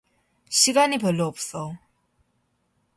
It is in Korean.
시간이 별로 없어.